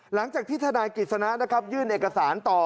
หลังจากที่ทนายกิจสนัยยื่นเอกสารต่อ